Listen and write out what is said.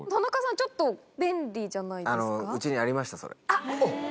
ちょっと便利じゃないですか？